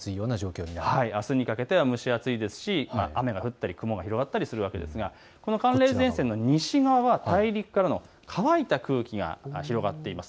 あすにかけては蒸し暑いですし雨が降ったり雲が広がったりするわけですが、この寒冷前線の西側は大陸からの乾いた空気が広がってきます。